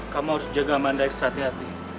kamu harus jaga amanda extra hati hati